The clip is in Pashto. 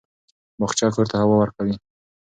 باغچه کور ته هوا ورکوي.